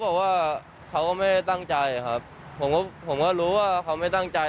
บอกว่าเขาก็ไม่ได้ตั้งใจครับผมก็ผมก็รู้ว่าเขาไม่ตั้งใจ